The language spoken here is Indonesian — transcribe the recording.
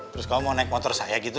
terus kamu mau naik motor saya gitu